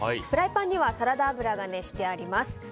フライパンにはサラダ油が熱してあります。